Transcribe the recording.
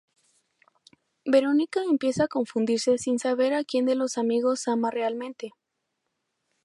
Verónica empieza a confundirse sin saber a quien de los dos amigos ama realmente.